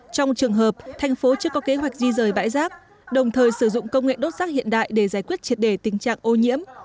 trong trường hợp thành phố chưa có kế hoạch di rời bãi rác đồng thời sử dụng công nghệ đốt rác hiện đại để giải quyết triệt đề tình trạng ô nhiễm